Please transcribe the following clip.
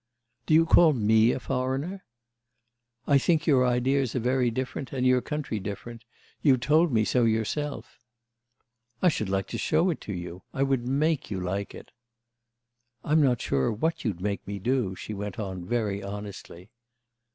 "Do you call me a foreigner?" "I think your ideas are very different and your country different. You've told me so yourself." "I should like to show it to you. I would make you like it." "I'm not sure what you'd make me do," she went on very honestly.